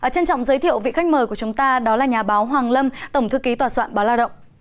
trân trọng giới thiệu vị khách mời của chúng ta đó là nhà báo hoàng lâm tổng thư ký tòa soạn báo lao động